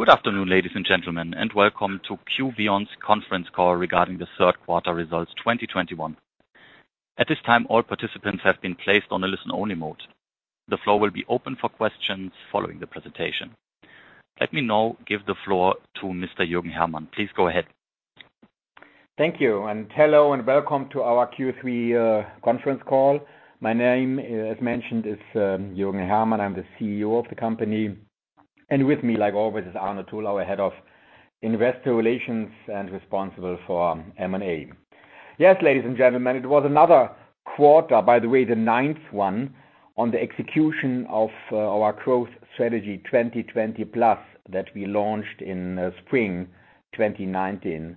Good afternoon, ladies and gentlemen, and welcome to q.beyond's conference call regarding the third quarter results 2021. At this time, all participants have been placed on a listen-only mode. The floor will be open for questions following the presentation. Let me now give the floor to Mr. Jürgen Hermann. Please go ahead. Thank you, and hello and welcome to our Q3 conference call. My name, as mentioned, is Jürgen Hermann. I'm the CEO of the company. With me, like always, is Arne Thull, our Head of Investor Relations and responsible for M&A. Yes, ladies and gentlemen, it was another quarter, by the way, the ninth one, on the execution of our growth strategy 2020plus that we launched in spring 2019.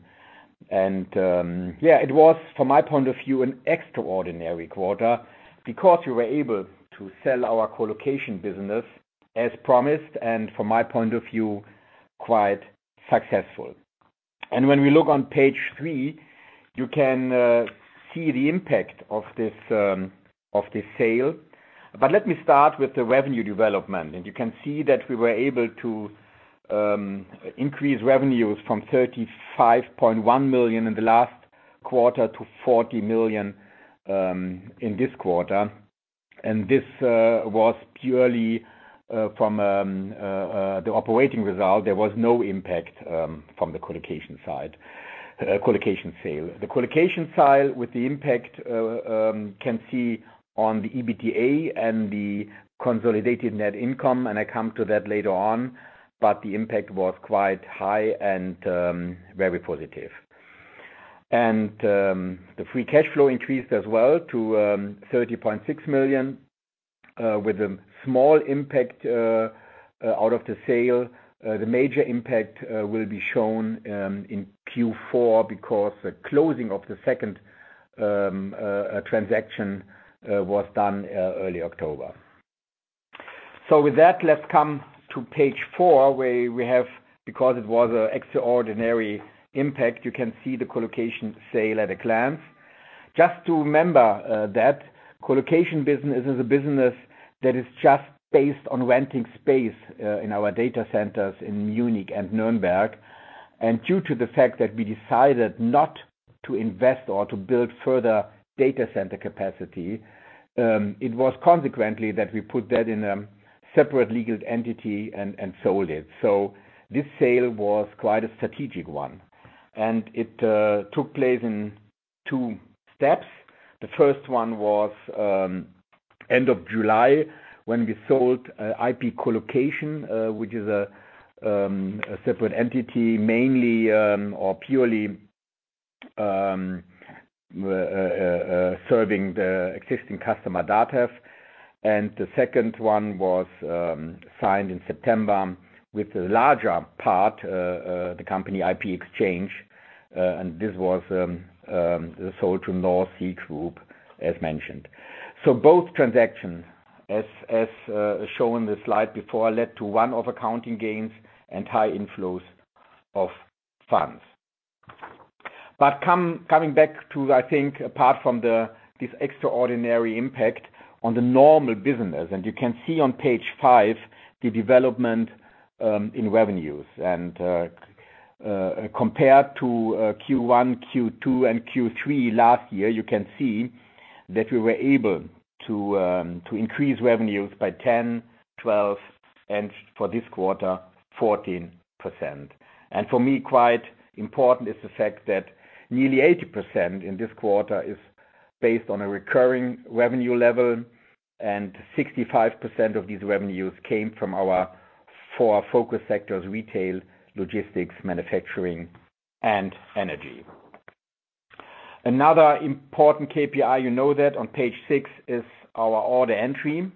It was, from my point of view, an extraordinary quarter because we were able to sell our colocation business as promised, and from my point of view, quite successful. When we look on page three, you can see the impact of this sale. Let me start with the revenue development. You can see that we were able to increase revenues from 35.1 million in the last quarter to 40 million in this quarter. This was purely from the operating result. There was no impact from the colocation side, colocation sale. The colocation side, with the impact you can see on the EBITDA and the consolidated net income, and I come to that later on, but the impact was quite high and very positive. The free cash flow increased as well to 30.6 million with a small impact out of the sale. The major impact will be shown in Q4 because the closing of the second transaction was done early October. With that, let's come to page four, where we have, because it was an extraordinary impact, you can see the colocation sale at a glance. Just to remember, that colocation business is a business that is just based on renting space, in our data centers in Munich and Nuremberg. Due to the fact that we decided not to invest or to build further data center capacity, it was consequently that we put that in a separate legal entity and sold it. This sale was quite a strategic one, and it took place in two steps. The first one was, end of July when we sold, IP Colocation, which is a separate entity mainly, or purely, serving the existing customer data. The second one was signed in September with the larger part, the company IP Exchange. This was sold to NorthC Group, as mentioned. Both transactions, as shown in the slide before, led to one-off accounting gains and high inflows of funds. Coming back to, I think, apart from this extraordinary impact on the normal business, and you can see on page five the development in revenues. Compared to Q1, Q2, and Q3 last year, you can see that we were able to increase revenues by 10, 12, and for this quarter, 14%. For me, quite important is the fact that nearly 80% in this quarter is based on a recurring revenue level, and 65% of these revenues came from our four focus sectors, retail, logistics, manufacturing, and energy. Another important KPI, you know that on page six, is our order entry.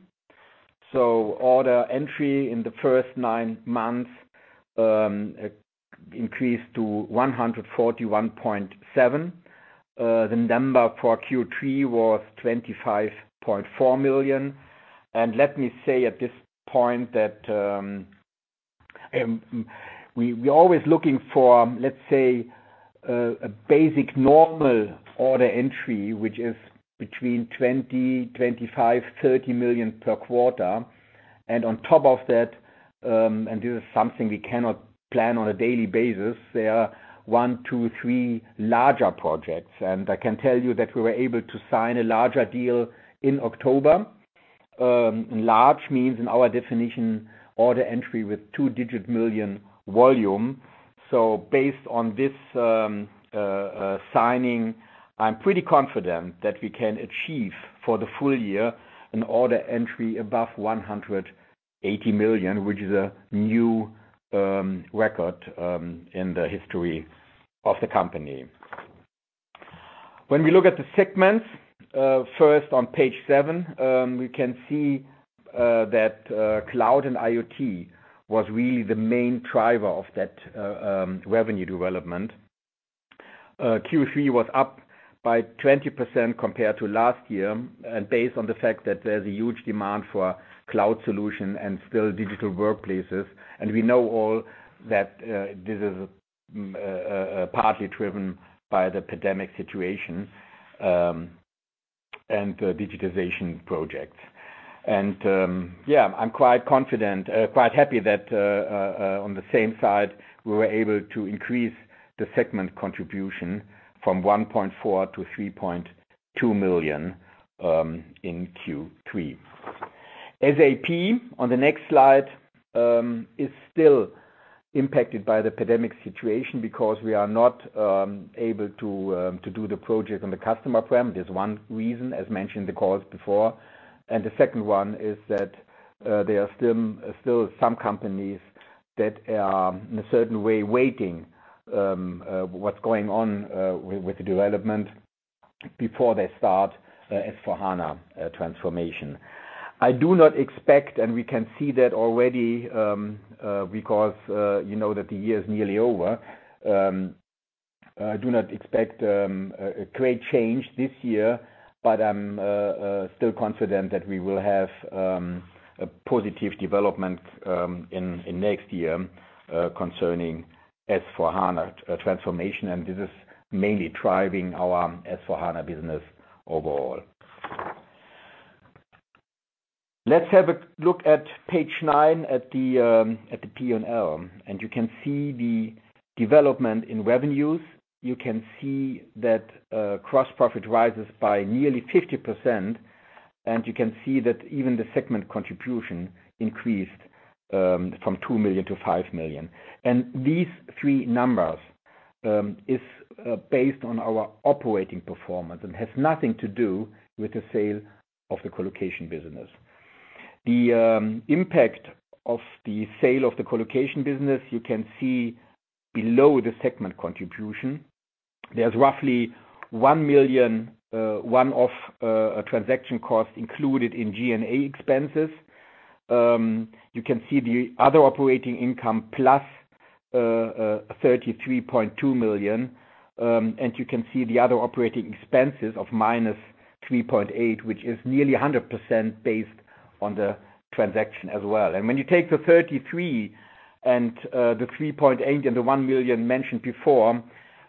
Order entry in the first nine months increased to 141.7 million. The number for Q3 was 25.4 million. Let me say at this point that we're always looking for, let's say, a basic normal order entry, which is between 20, 25, 30 million per quarter. On top of that, and this is something we cannot plan on a daily basis, there are one, two, three larger projects. I can tell you that we were able to sign a larger deal in October. Large means in our definition, order entry with two-digit million volume. So based on this signing, I'm pretty confident that we can achieve for the full year an order entry above 180 million, which is a new record in the history of the company. When we look at the segments, first on page seven, we can see that Cloud & IoT was really the main driver of that revenue development. Q3 was up by 20% compared to last year, and based on the fact that there's a huge demand for cloud solution and still digital workplaces. And we know all that this is partly driven by the pandemic situation and digitization projects. I'm quite confident, quite happy that on the same side, we were able to increase the segment contribution from 1.4 million-3.2 million in Q3. SAP, on the next slide, is still impacted by the pandemic situation because we are not able to do the project on the customer premises. There's one reason, as mentioned in the calls before. The second one is that there are still some companies that are in a certain way waiting, what's going on with the development before they start S/4HANA transformation. I do not expect, and we can see that already, because you know that the year is nearly over. I do not expect a great change this year, but I'm still confident that we will have a positive development in next year concerning S/4HANA transformation. This is mainly driving our S/4HANA business overall. Let's have a look at page nine at the P&L, and you can see the development in revenues. You can see that gross profit rises by nearly 50%, and you can see that even the segment contribution increased from 2 million to 5 million. These three numbers is based on our operating performance and has nothing to do with the sale of the colocation business. The impact of the sale of the colocation business you can see below the segment contribution. There's roughly 1 million one-off transaction costs included in G&A expenses. You can see the other operating income +33.2 million. You can see the other operating expenses of -3.8 million, which is nearly 100% based on the transaction as well. When you take the 33 and the 3.8 and the 1 million mentioned before,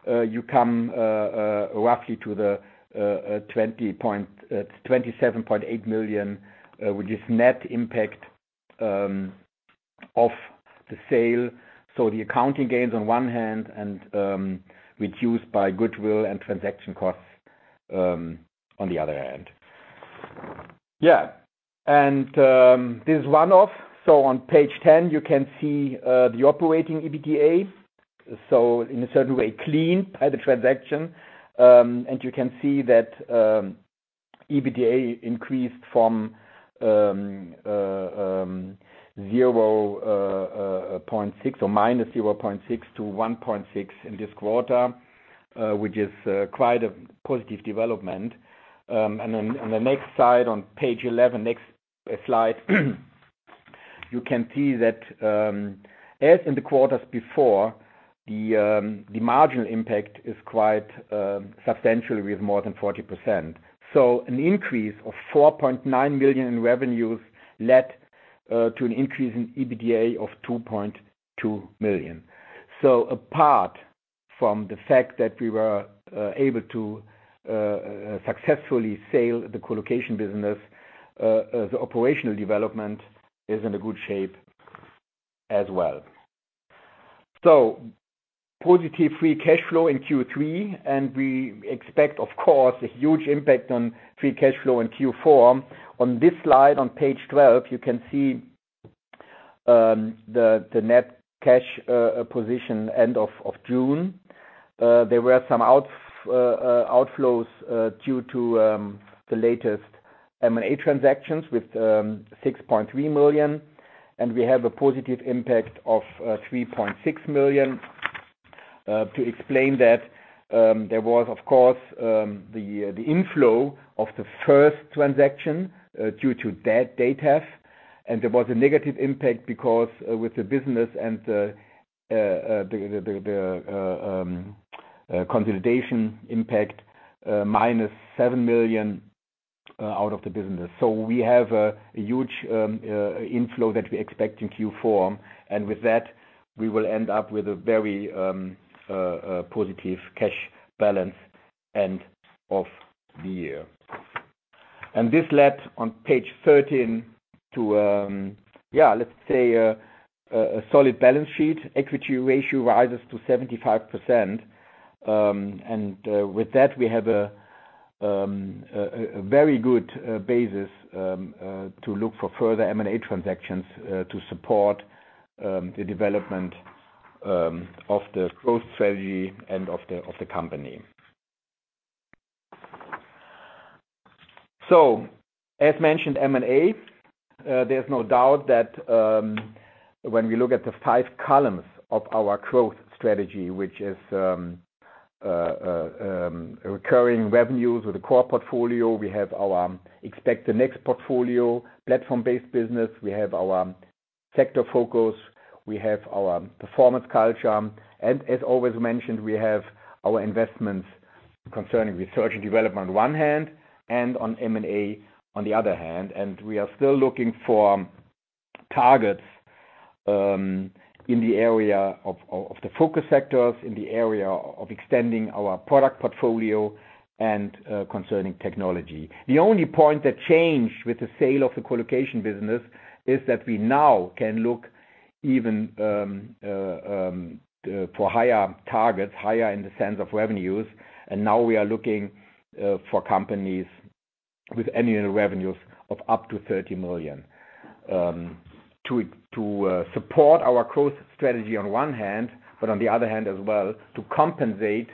you come roughly to the 27.8 million, which is net impact of the sale. The accounting gains on one hand and reduced by goodwill and transaction costs on the other hand. This is one-off. On page 10, you can see the operating EBITDA. In a certain way, cleaned by the transaction. You can see that EBITDA increased from 0.6 or -0.6 to 1.6 in this quarter, which is quite a positive development. On the next slide, on page 11, next slide, you can see that as in the quarters before, the marginal impact is quite substantial with more than 40%. An increase of 4.9 million in revenues led to an increase in EBITDA of 2.2 million. Apart from the fact that we were able to successfully sell the colocation business, the operational development is in a good shape as well. Positive free cash flow in Q3, and we expect, of course, a huge impact on free cash flow in Q4. On this slide, on page 12, you can see the net cash position end of June. There were some outflows due to the latest M&A transactions with 6.3 million, and we have a positive impact of 3.6 million. To explain that, there was of course the inflow of the first transaction due to dead data. There was a negative impact because with the business and the consolidation impact -7 million out of the business. We have a huge inflow that we expect in Q4, and with that, we will end up with a very positive cash balance end of the year. This led on page 13 to a solid balance sheet. Equity ratio rises to 75%. With that, we have a very good basis to look for further M&A transactions to support the development of the growth strategy and of the company. As mentioned, M&A, there's no doubt that when we look at the five columns of our growth strategy, which is recurring revenues with the core portfolio, we have our expected next portfolio, platform-based business. We have our sector focus. We have our performance culture. As always mentioned, we have our investments concerning research and development on one hand and on M&A on the other hand. We are still looking for targets in the area of the focus sectors, in the area of extending our product portfolio and concerning technology. The only point that changed with the sale of the colocation business is that we now can look even for higher targets, higher in the sense of revenues. Now we are looking for companies with annual revenues of up to 30 million to support our growth strategy on one hand, but on the other hand as well, to compensate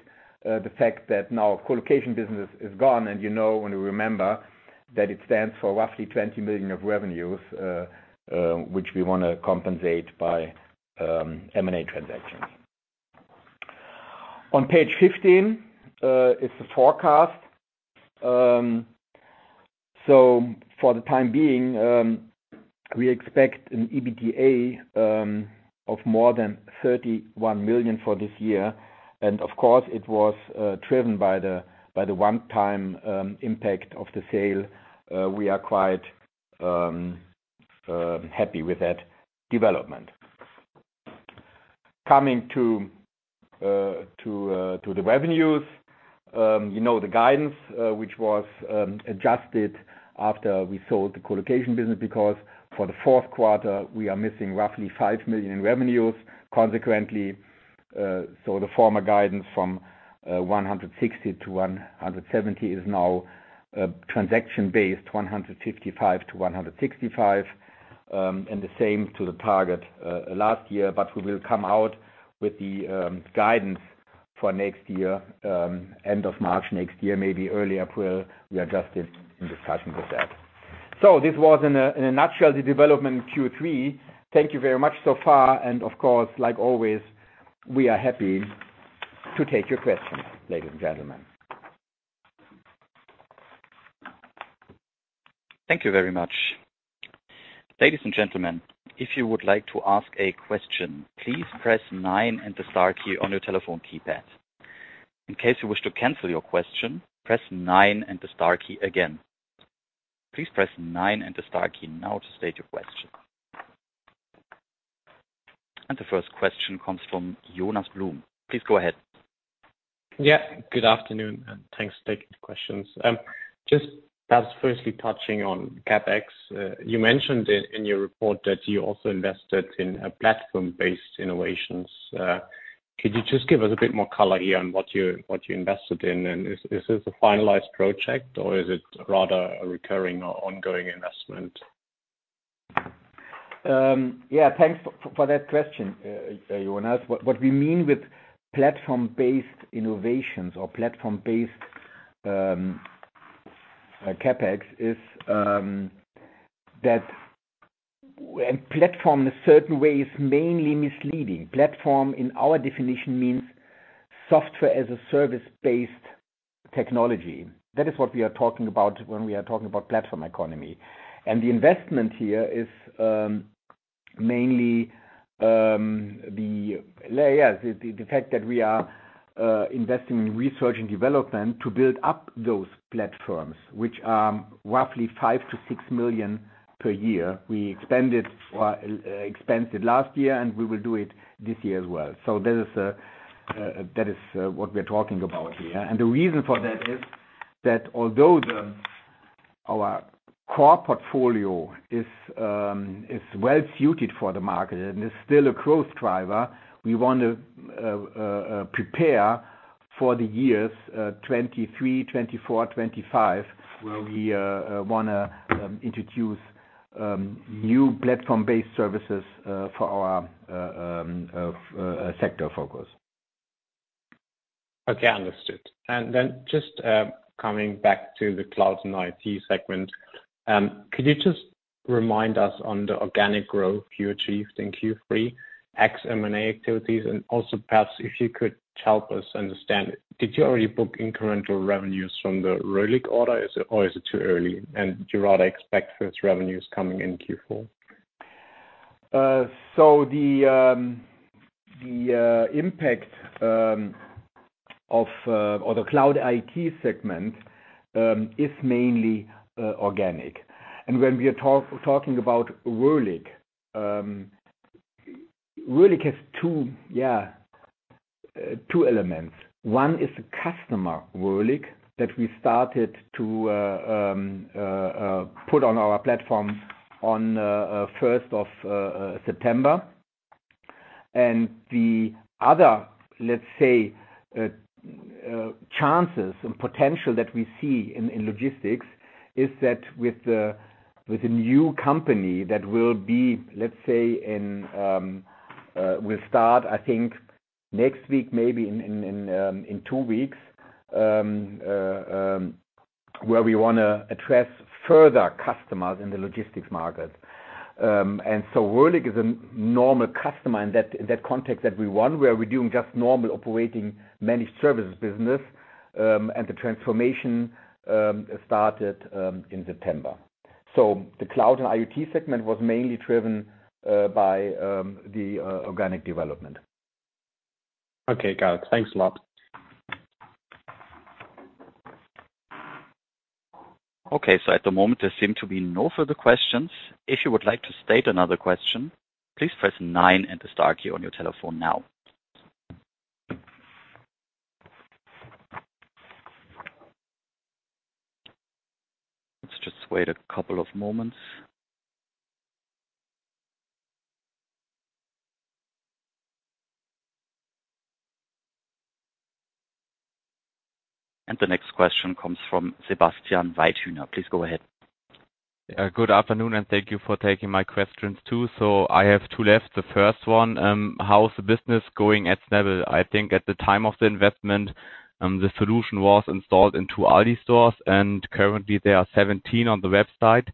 the fact that now colocation business is gone and you know, and you remember that it stands for roughly 20 million of revenues, which we wanna compensate by M&A transactions. On page 15 is the forecast. For the time being, we expect an EBITDA of more than 31 million for this year. Of course, it was driven by the one-time impact of the sale. We are quite happy with that development. Coming to the revenues. You know, the guidance which was adjusted after we sold the colocation business because for the fourth quarter we are missing roughly 5 million in revenues consequently. The former guidance from 160 million to 170 million is now transaction-based 155 million to 165 million. The same to the target last year. We will come out with the guidance for next year end of March next year, maybe early April. We are just in discussion with that. This was in a nutshell, the development in Q3. Thank you very much so far. Of course, like always, we are happy to take your questions, ladies and gentlemen. Thank you very much. Ladies and gentlemen, if you would like to ask a question, please press nine and the star key on your telephone keypad. In case you wish to cancel your question, press nine and the star key again. Please press nine and the star key now to state your question. The first question comes from Jonas Blum. Please go ahead. Yeah, good afternoon and thanks for taking the questions. Just perhaps firstly touching on CapEx. You mentioned in your report that you also invested in platform-based innovations. Could you just give us a bit more color here on what you invested in? Is this a finalized project or is it rather a recurring or ongoing investment? Yeah, thanks for that question, Jonas. What we mean with platform-based innovations or platform-based CapEx is that. Platform in a certain way is mainly misleading. Platform in our definition means Software as a Service-based technology. That is what we are talking about when we are talking about platform economy. The investment here is mainly the fact that we are investing in research and development to build up those platforms, which are roughly 5 million-6 million per year. We expensed it last year, and we will do it this year as well. That is what we are talking about here. The reason for that is that although our core portfolio is well suited for the market and is still a growth driver, we want to prepare for the years 2023, 2024, 2025, where we wanna introduce new platform-based services for our sector focus. Okay, understood. Coming back to the Cloud & IoT segment, could you just remind us on the organic growth you achieved in Q3 ex. M&A activities? Also perhaps if you could help us understand, did you already book incremental revenues from the Röhlig order? Or is it too early, and do you rather expect first revenues coming in Q4? The impact of the Cloud & IoT segment is mainly organic. When we are talking about Röhlig, Röhlig has two elements. One is the customer Röhlig that we started to put on our platform on 1st of September. The other, let's say, chances and potential that we see in logistics is that with a new company that will, let's say, start I think next week, maybe in two weeks, where we wanna address further customers in the logistics market. Röhlig is a normal customer in that context that we want, where we're doing just normal operating managed services business, and the transformation started in September. The Cloud & IoT segment was mainly driven by the organic development. Okay, got it. Thanks a lot. Okay. At the moment, there seem to be no further questions. If you would like to state another question, please press nine and the star key on your telephone now. Let's just wait a couple of moments. The next question comes from Sebastian Weidhüner. Please go ahead. Yeah, good afternoon, and thank you for taking my questions too. I have two left. The first one, how's the business going at Snabble? I think at the time of the investment, the solution was installed in two ALDI stores, and currently there are 17 on the website.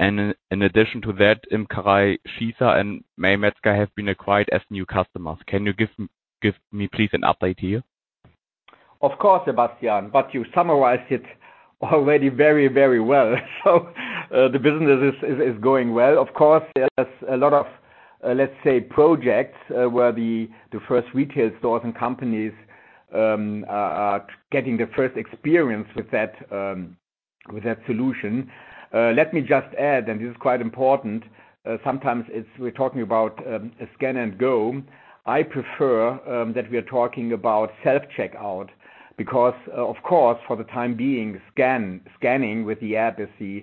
In addition to that, IMKEREI SCHIESSER and Mey & Edlich have been acquired as new customers. Can you give me please an update here? Of course, Sebastian, but you summarized it already very, very well. The business is going well. Of course, there's a lot of, let's say projects where the first retail stores and companies are getting their first experience with that solution. Let me just add, this is quite important, sometimes it's we're talking about scan and go. I prefer that we are talking about self-checkout because of course for the time being, scanning with the app is the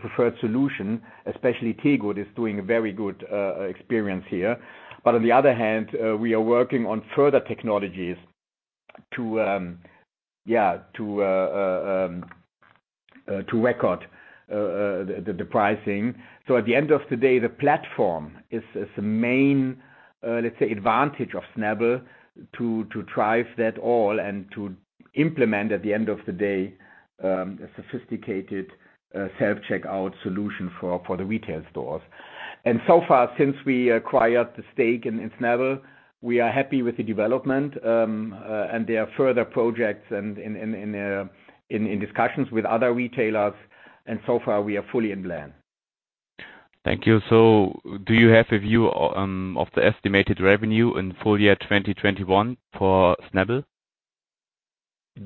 preferred solution, especially Tegut is doing a very good experience here. On the other hand, we are working on further technologies to record the pricing. At the end of the day, the platform is the main, let's say, advantage of Snabble to drive that all and to implement at the end of the day, a sophisticated, self-checkout solution for the retail stores. So far since we acquired the stake in Snabble, we are happy with the development. There are further projects in discussions with other retailers and so far we are fully in line. Thank you. Do you have a view of the estimated revenue in full year 2021 for Snabble?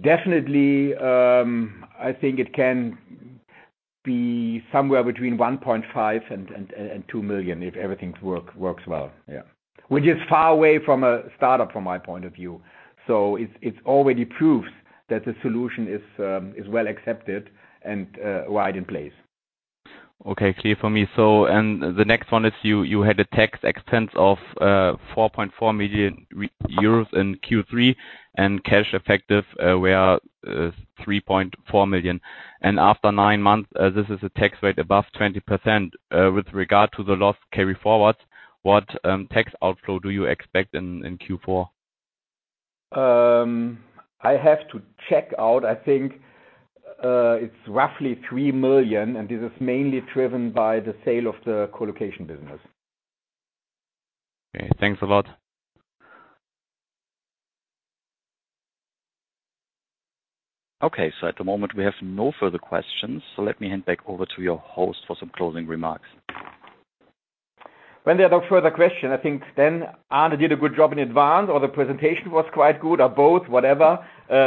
Definitely, I think it can be somewhere between 1.5 million and 2 million if everything works well, yeah. Which is far away from a startup from my point of view. It's already proves that the solution is well accepted and widely in place. Okay, clear for me. The next one is you had a tax expense of 4.4 million euros in Q3 and cash effective were 3.4 million. After nine months, this is a tax rate above 20%. With regard to the loss carry forward, what tax outflow do you expect in Q4? I have to check out. I think, it's roughly 3 million, and this is mainly driven by the sale of the colocation business. Okay, thanks a lot. Okay, at the moment we have no further questions, so let me hand back over to your host for some closing remarks. When there are no further questions, I think then Arne did a good job in advance, or the presentation was quite good, or both, whatever.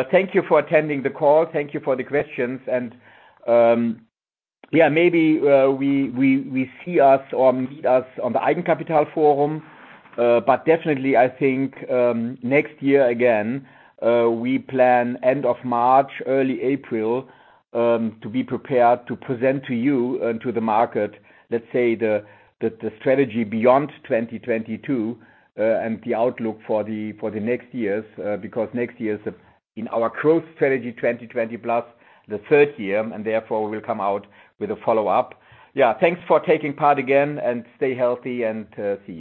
Thank you for attending the call. Thank you for the questions. Yeah, maybe we see us or meet us on the Deutsches Eigenkapitalforum. I think next year again we plan end of March, early April to be prepared to present to you and to the market, let's say the strategy beyond 2022 and the outlook for the next years because next year's in our growth strategy 2020plus the third year, and therefore we'll come out with a follow-up. Yeah, thanks for taking part again and stay healthy and see you.